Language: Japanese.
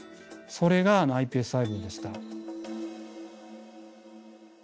それがｉＰＳ細胞でした。